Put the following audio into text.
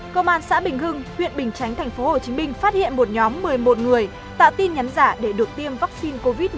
công an xã bình hưng huyện bình chánh tp hcm phát hiện một nhóm một mươi một người tạo tin nhắn giả để được tiêm vaccine covid một mươi chín